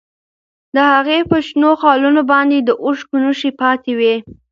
د هغې په شنو خالونو باندې د اوښکو نښې پاتې وې.